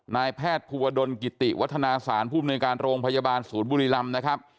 นายแพทย์ภูวดลกิตติวัฒนาสารผู้บริการโรงพยาบาลศูนย์บุรีรำ